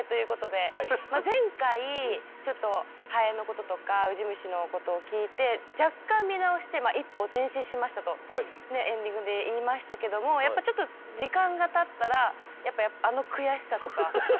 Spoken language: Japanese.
前回ちょっとハエのこととかウジ虫のことを聞いて若干見直して一歩前進しましたとエンディングで言いましたけどもやっぱちょっと時間がたったらやっぱりあの悔しさとか。